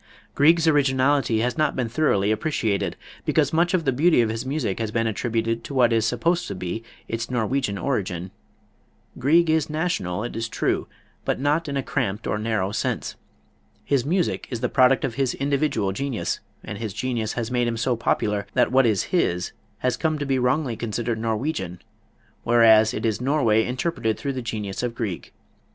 Grieg's originality has not been thoroughly appreciated, because much of the beauty of his music has been attributed to what is supposed to be its Norwegian origin. Grieg is national, it is true, but not in a cramped or narrow sense. His music is the product of his individual genius, and his genius has made him so popular that what is his has come to be wrongly considered Norwegian, whereas it is Norway interpreted through the genius of Grieg.